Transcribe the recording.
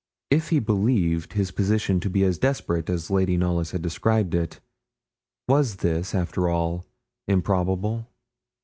If he believed his position to be as desperate as Lady Knollys had described it, was this, after all, improbable?